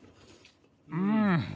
うん。